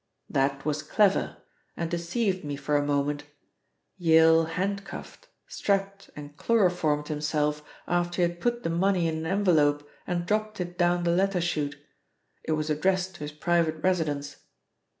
"That was clever, and deceived me for a moment, Yale handcuffed, strapped and chloroformed himself after he had put the money in an envelope and dropped it down the letter chute it was addressed to his private residence.